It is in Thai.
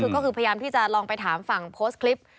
ก็คือพยายามที่จะลองไปถามฝั่งโพสต์คลิป